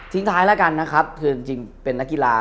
ท้ายแล้วกันนะครับคือจริงเป็นนักกีฬา